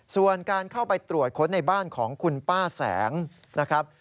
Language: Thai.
ส่วนการเข้าไปตรวจค้นในบ้านของคุณป้าแสงนะครับ